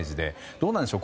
どうなんでしょう。